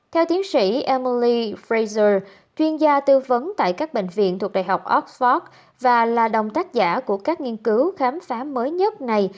theo tiến sĩ emilley fraser chuyên gia tư vấn tại các bệnh viện thuộc đại học oxford và là đồng tác giả của các nghiên cứu khám phá mới nhất này